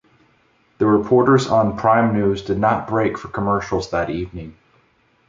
The reporters on "Prime News" did not break for commercials that evening.